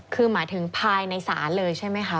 คือหมายถึงภายในศาลเลยใช่ไหมคะ